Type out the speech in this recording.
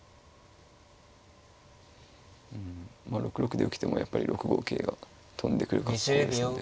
うんまあ６六で受けてもやっぱり６五桂が跳んでくる格好ですので。